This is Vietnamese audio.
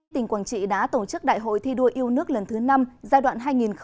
tỉnh quảng trị đã tổ chức đại hội thi đua yêu nước lần thứ năm giai đoạn hai nghìn hai mươi hai nghìn hai mươi năm